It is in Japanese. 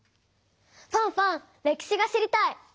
ファンファン歴史が知りたい！